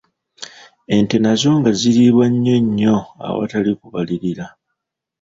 Ente nazo nga ziriibwa nnyo nnyo awatali kubalirira.